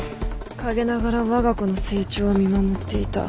陰ながらわが子の成長を見守っていた。